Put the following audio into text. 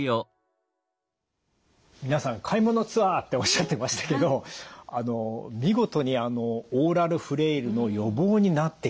皆さん「買い物ツアー！」っておっしゃってましたけどあの見事にオーラルフレイルの予防になっている。